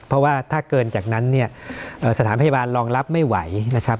เพราะว่าถ้าเกินจากนั้นเนี่ยสถานพยาบาลรองรับไม่ไหวนะครับ